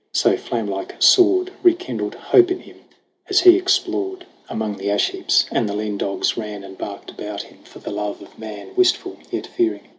So flamelike soared Rekindled hope in him as he explored 86 SONG OF HUGH GLASS Among the ash heaps ; and the lean dogs ran And barked about him, for the love of man Wistful, yet fearing.